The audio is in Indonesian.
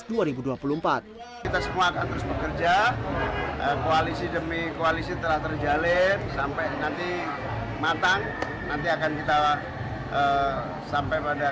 kita semua akan terus bekerja koalisi demi koalisi telah terjalin sampai nanti matang nanti akan kita sampai pada